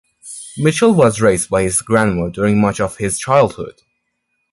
Michel was raised by his grandmother during much of his childhood.